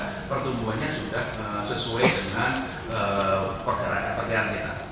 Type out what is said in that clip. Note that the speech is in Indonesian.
bahkan pertumbuhannya sudah sesuai dengan perjalanan kita